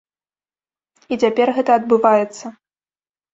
І цяпер гэта адбываецца.